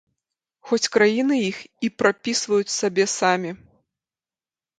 Хоць краіны іх і прапісваюць сабе самі.